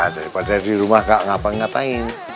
daripada di rumah gak ngapa ngapain